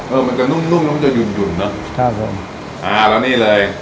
เออมันจะนุ่มนุ่มแล้วมันจะหุ่นหยุ่นเนอะครับผมอ่าแล้วนี่เลย